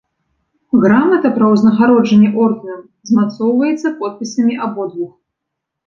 Грамата пра ўзнагароджанне ордэнам змацоўваецца подпісамі абодвух.